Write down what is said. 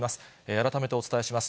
改めてお伝えします。